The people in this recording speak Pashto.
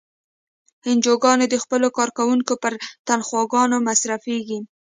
انجوګانې د خپلو کارکوونکو پر تنخواګانو مصرفیږي.